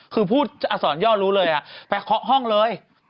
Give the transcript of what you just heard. คือพูดอักษรย่อรู้เลยไปเคาะห้องเลย